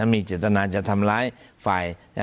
มีเจตนาจะทำร้ายฝ่าย